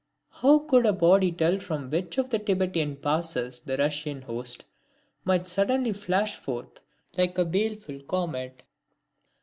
How could a body tell from which of the Tibetan passes the Russian host might suddenly flash forth like a baleful comet?